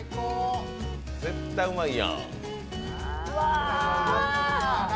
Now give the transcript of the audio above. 絶対うまいやん。